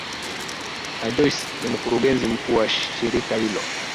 n joyce ni mkurugenzi mkuu wa shirika hilo